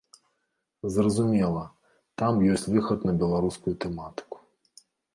Зразумела, там ёсць выхад на беларускую тэматыку.